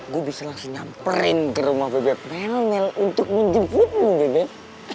gue bisa langsung nyamperin ke rumah bebek pemel untuk menjemputmu bebek